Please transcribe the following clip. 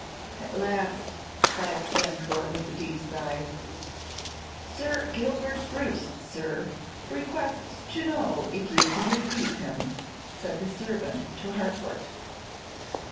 "At last," cried Glencore, with a deep sigh. "Sir Gilbert Bruce, sir, requests to know if you can receive him," said the servant to Harcourt.